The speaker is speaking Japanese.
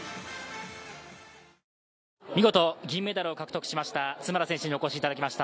見事、銀メダルを獲得した津村選手にお越しいただきました。